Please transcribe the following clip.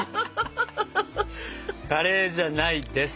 カレーじゃないです。